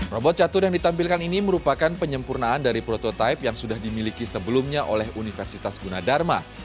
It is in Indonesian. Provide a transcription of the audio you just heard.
robot catur yang ditampilkan ini merupakan penyempurnaan dari prototipe yang sudah dimiliki sebelumnya oleh universitas gunadharma